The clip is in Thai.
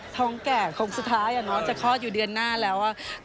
ท้องแก่ของสุดท้ายอย่างน้อยจะฆอดอยู่เดือนหน้าแล้ว